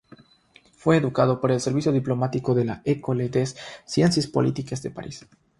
Fue educado por el servicio diplomático en la "École des Sciences Politiques" de París.